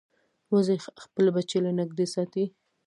وزې خپل بچي له نږدې ساتي